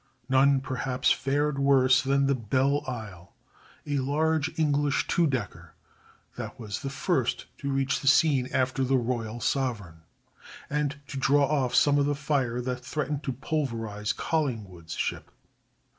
None, perhaps, fared worse than the Belle Isle, a large English two decker that was the first to reach the scene after the Royal Sovereign, and to draw off some of the fire that threatened to pulverize Collingwood's ship.